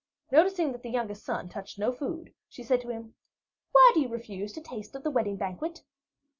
Noticing that the youngest son touched no food, she said to him: "Why do you refuse to taste of the wedding banquet?"